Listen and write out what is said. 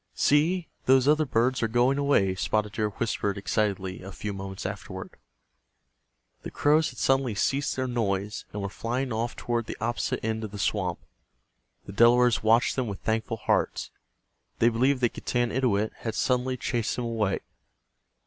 "See, those other birds are going away," Spotted Deer whispered, excitedly, a few moments afterward. The crows had suddenly ceased their noise, and were flying off toward the opposite end of the swamp. The Delawares watched them with thankful hearts. They believed that Getanittowit had suddenly chased them away.